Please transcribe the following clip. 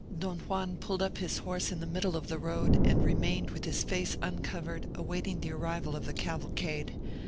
Don Juan pulled up his horse in the middle of the road, and remained with his face uncovered, awaiting the arrival of the cavalcade.